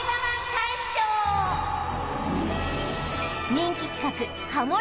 人気企画